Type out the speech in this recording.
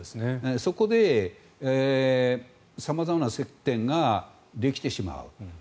そこで様々な接点ができてしまう。